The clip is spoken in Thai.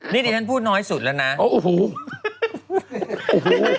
นี่ดิฉันพูดน้อยสุดแล้วนะโอ้โห